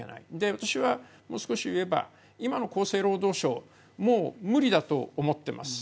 私は、もう少しいえば今の厚生労働省もう無理だと思ってます。